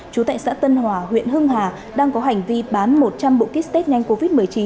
chú tại xã tân hòa huyện hưng hà đang có hành vi bán một trăm linh bộ kit test nhanh covid một mươi chín